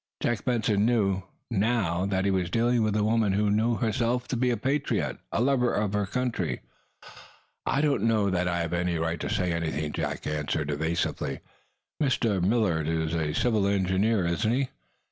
Jack Benson knew, now, that he was dealing with a woman who knew herself to be a patriot a lover of her country. "I don't know that I have any right to say anything," Jack answered, evasively. "Mr. Millard is a civil engineer, isn't he?"